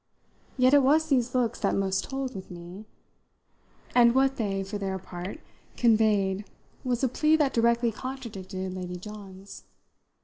Yet it was these looks that most told with me, and what they, for their part, conveyed was a plea that directly contradicted Lady John's.